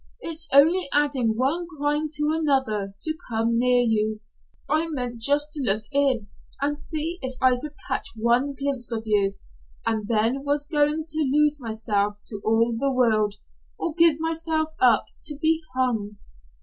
It's only adding one crime to another to come near you. I meant just to look in and see if I could catch one glimpse of you, and then was going to lose myself to all the world, or else give myself up to be hung."